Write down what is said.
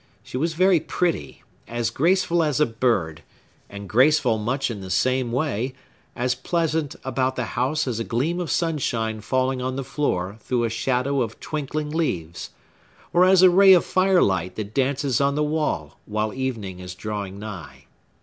She was very pretty; as graceful as a bird, and graceful much in the same way; as pleasant about the house as a gleam of sunshine falling on the floor through a shadow of twinkling leaves, or as a ray of firelight that dances on the wall while evening is drawing nigh.